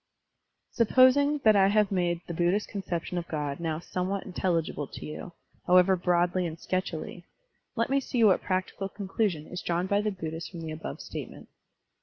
He ♦* Supposing that I have made the Buddhist conception of God now somewhat intelligible to you, however broadly and sketchily, let me see what practical conclusion is drawn by the Bud dhists from the above statement.